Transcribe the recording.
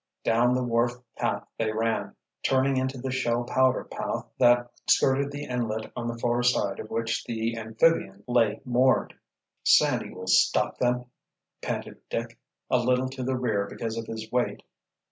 Down the wharf path they ran, turning into the shell powder path that skirted the inlet on the far side of which the amphibian lay moored. "Sandy will stop them," panted Dick, a little to the rear because of his weight.